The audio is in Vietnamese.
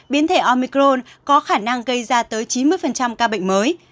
biến thể omicron có khả năng gây ra tới chín mươi ca bệnh mới